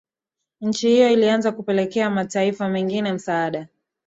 Nchi hiyo ilianza kupelekea mataifa mengine msaada